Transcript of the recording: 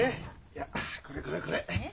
いやこれこれこれ。